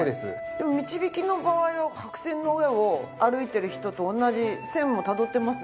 でもみちびきの場合は白線の上を歩いている人と同じ線をたどっていますね。